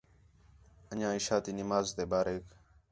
اَن٘ڄیاں عِشاء تی نماز تے باریک